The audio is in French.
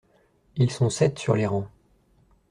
Ils sont sept sur les rangs.